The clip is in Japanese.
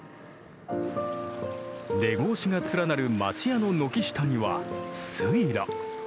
出格子が連なる町屋の軒下には水路。